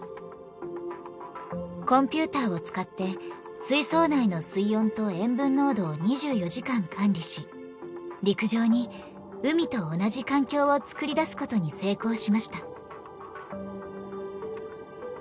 コンピューターを使って水槽内の水温と塩分濃度を２４時間管理し陸上に海と同じ環境を作り出すことに成功しました。